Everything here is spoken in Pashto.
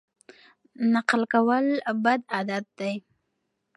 نقل کول بد عادت دی.